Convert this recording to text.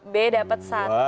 b dapat dua